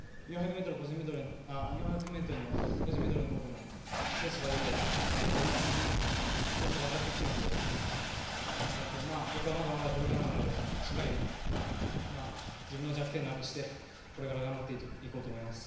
４００ｍの個人メドレーのほうでもベストが出て、いい感じに調子が上がってきているので僕は、まだまだこれからなのでしっかり自分の弱点をなくしてこれから頑張っていこうと思います。